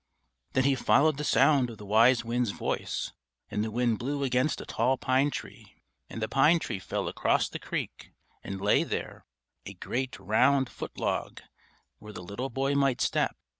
"] Then he followed the sound of the wise wind's voice, and the wind blew against a tall pine tree, and the pine tree fell across the creek, and lay there, a great round foot log, where the little boy might step.